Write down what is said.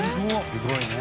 すごいね。